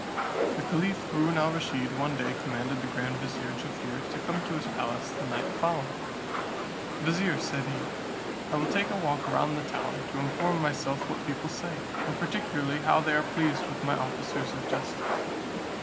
The Caliph Haroon al Rusheed one day commanded the grand vizier Jaffier to come to his palace the night following. "Vizier," said he, "I will take a walk round the town, to inform myself what people say, and particularly how they are pleased with my officers of justice.